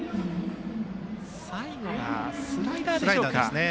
最後がスライダーでしょうか。